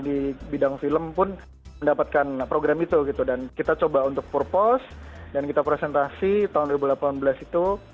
di bidang film pun mendapatkan program itu gitu dan kita coba untuk purpose dan kita presentasi tahun dua ribu delapan belas itu